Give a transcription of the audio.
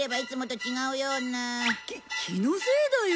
き気のせいだよ。